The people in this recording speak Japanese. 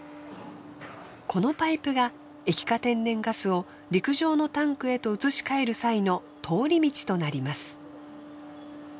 このパイプが液化天然ガスを陸上のタンクへと移し替える際の通り道となります。